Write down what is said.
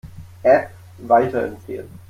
App weiterempfehlen.